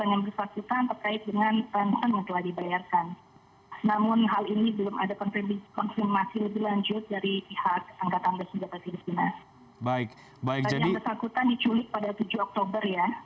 yang bersangkutan diculik pada tujuh oktober ya